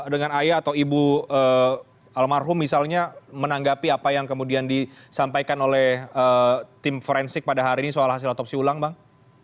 dengan ayah atau ibu almarhum misalnya menanggapi apa yang kemudian disampaikan oleh tim forensik pada hari ini soal hasil otopsi ulang bang